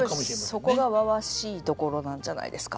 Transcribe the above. そこがわわしいところなんじゃないですか？